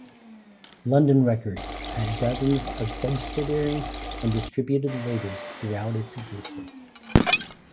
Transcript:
London Records had dozens of subsidiary and distributed labels throughout its existence.